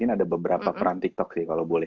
ada beberapa peran tiktok sih kalau boleh